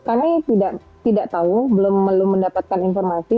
kami tidak tahu belum mendapatkan informasi